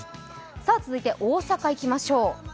続いて大阪へいきましょう。